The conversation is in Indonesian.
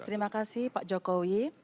terima kasih pak jokowi